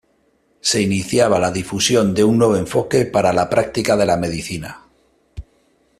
Se iniciaba la difusión de un nuevo enfoque para la práctica de la medicina.